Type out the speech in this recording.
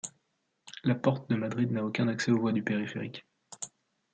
La porte de Madrid n'a aucun accès aux voies du périphérique.